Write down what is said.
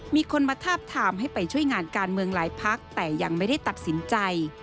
มีคนมาทาบทามให้ไปช่วยงานการเมืองหลายพักแต่ยังไม่ได้ตัดสินใจ